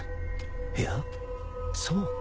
いやそうか